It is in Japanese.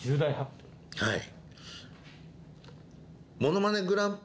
はい。